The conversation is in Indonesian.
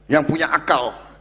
yang punya akal